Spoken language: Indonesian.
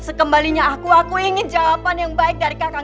sekembalinya aku aku ingin jawaban yang baik dari kakak